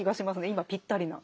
今ぴったりな。